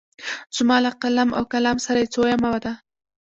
زما له قلم او کلام سره یې څویمه ده.